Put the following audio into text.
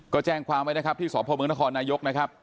ก็แจ้งความไว้นะครับที่สพเมืองนครนายกนะครับ